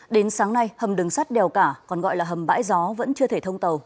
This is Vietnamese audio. đến sáng nay hầm đường sắt đèo cả còn gọi là hầm bãi gió vẫn chưa thể thông tàu